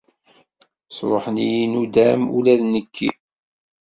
Sruḥen-iyi nuddam ula d nekki.